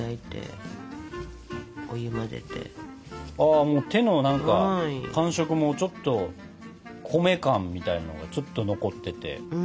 あ手の何か感触もちょっと米感みたいなのがちょっと残ってて。